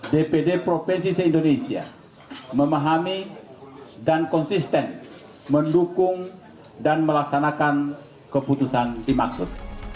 dpd provinsi se indonesia memahami dan konsisten mendukung dan melaksanakan keputusan dimaksud